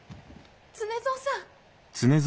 常蔵さん。